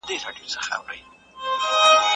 زه به اوږده موده د کتابتوننۍ سره مرسته کړې وم.